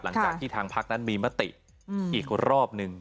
หลังจากที่ทางพักนั้นมีมติอีกรอบหนึ่ง